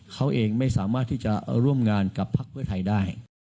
เขาเองไม่สามารถที่จะร่วมงานกับพักเพื่อไทยได้